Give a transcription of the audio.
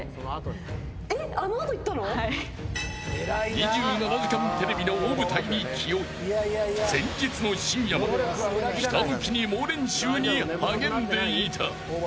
２７時間テレビの大舞台に気負い前日の深夜までひたむきに猛練習に励んでいた。